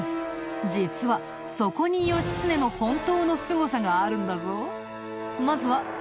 実はそこに義経の本当のすごさがあるんだぞ。